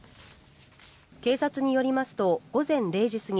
警察によりますと午前０時過ぎ